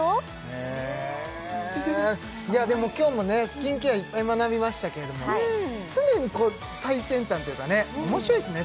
へえいやでも今日もねスキンケアいっぱい学びましたけれども常にこう最先端というかね面白いですね